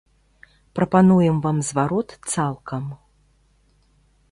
Прапануем вам зварот цалкам.